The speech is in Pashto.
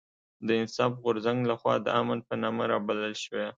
د انصاف غورځنګ لخوا د امن په نامه رابلل شوې